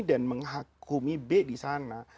dan menghukumi b disana